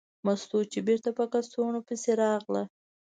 مستو چې بېرته په کڅوړه پسې راغله.